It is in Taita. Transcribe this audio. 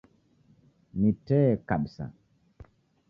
Ni tee kabisa.